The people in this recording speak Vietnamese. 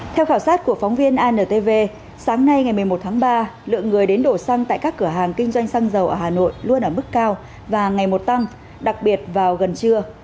theo khảo sát của phóng viên antv sáng nay ngày một mươi một tháng ba lượng người đến đổ xăng tại các cửa hàng kinh doanh xăng dầu ở hà nội luôn ở mức cao và ngày một tăng đặc biệt vào gần trưa